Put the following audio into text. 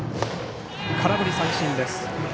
空振り三振です。